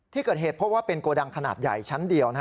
ที่เกิดเหตุพบว่าเป็นโกดังขนาดใหญ่ชั้นเดียว